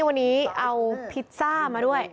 วันนี้เอาพิซซ่ามาด้วย